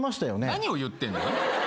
何を言ってんの？